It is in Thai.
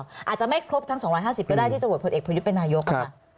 อาจจะไม่ครบทั้ง๒๕๐ก็ได้ที่จะโหวตพลเอกประยุทธ์เป็นนายก